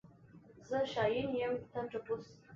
زه شاين يم ته ټپوس.